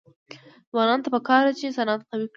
ځوانانو ته پکار ده چې، صنعت قوي کړي.